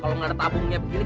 kalo gak ada tabungnya begini